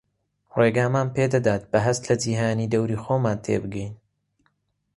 ڕێگامان پێدەدات بە هەست لە جیهانی دەوری خۆمان تێبگەین